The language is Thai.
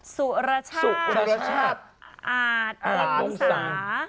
สุระชาติ